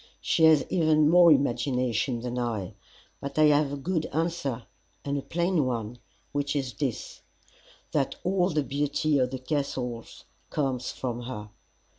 She has even more imagination than I. But I have a good answer and a plain one, which is this, that all the beauty of the Castle comes from her.